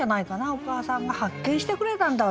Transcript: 「お母さんが発見してくれたんだ